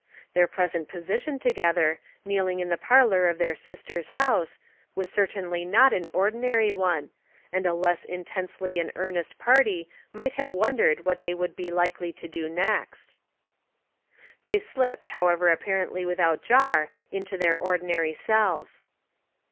Their present position together, kneeling in the parlor of their sister's house, was certainly, not an ordinary one, and a less 264 Household Puzzles. intensely in earnest party might have wondered what they would be likely to do next. They slipped however apparently without jar into their ordinary selves.